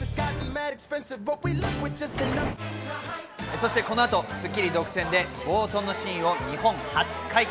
そして、この後『スッキリ』独占で冒頭のシーンを日本初解禁。